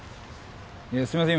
すいません